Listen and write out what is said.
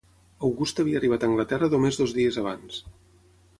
Augusta havia arribat a Anglaterra només dos dies abans.